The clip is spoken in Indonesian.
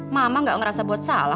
mama gak ngerasa buat salah